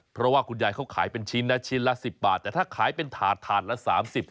เพราะว่าคุณยายเขาขายเป็นชิ้นนะชิ้นละ๑๐บาทแต่ถ้าขายเป็นถาดถาดละ๓๐บาท